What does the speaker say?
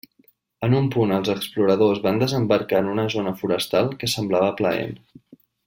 En un punt els exploradors van desembarcar en una zona forestal que semblava plaent.